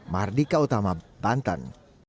mardika utama bantan